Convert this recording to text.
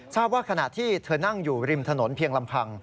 ว่าขณะที่เธอนั่งอยู่ริมถนนเพียงลำพัง